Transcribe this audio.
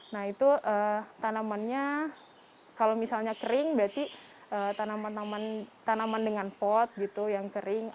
nah itu tanamannya kalau misalnya kering berarti tanaman tanaman tanaman dengan pot gitu yang kering